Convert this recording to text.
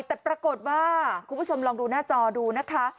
แต่ปรากฏว่าคุณผู้ชมลองดูหน้าจอดูนะคะ